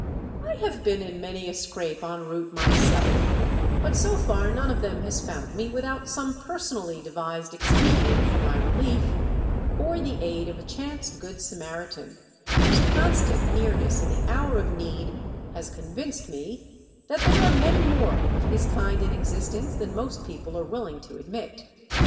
I have been in many a scrape en route myself; but so far none of them has found me without some personally devised expedient for my relief, or the aid of a chance Good Samaritan, whose constant nearness in the hour of need has convinced me that there are many more of his kind in existence than most people are willing to admit.